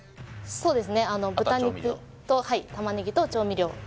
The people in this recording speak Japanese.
そうですね豚肉とあと調味料？